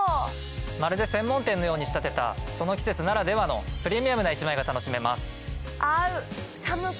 まるで専門店のように仕立てたその季節ならではの。が楽しめます。